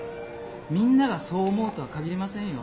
みんながそう思うとは限りませんよ。